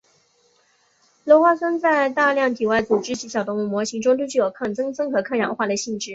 鞣花酸在大量体外组织及小动物模型中都具有抗增生和抗氧化的性质。